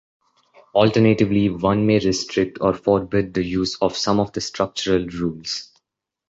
Alternatively, one may restrict or forbid the use of some of the structural rules.